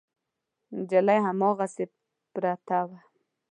نجلۍ هماغسې پرته وه.